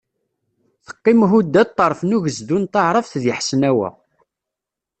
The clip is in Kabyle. Teqqim Huda ṭṭerf n ugezdu n taɛrabt deg Ḥesnawa.